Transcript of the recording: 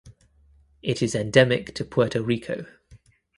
It is endemic to Puerto Rico.